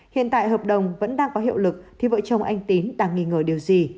hiện tại hợp đồng vẫn đang có hiệu lực thì vợ chồng anh tín đang nghi ngờ điều gì